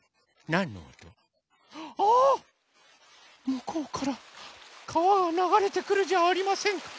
むこうからかわがながれてくるじゃありませんか。